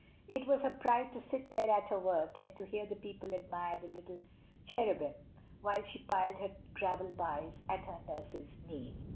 It was her pride to sit there at her work, and to hear the people admire the "little Cherubim," while she piled her gravel pies at her nurse's knee.